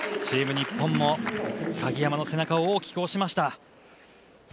チーム日本も鍵山の背中を大きく押しました。